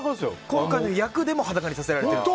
今回の役でも裸にさせられてるんです。